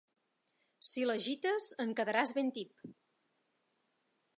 Si l'agites en quedaràs ben tip.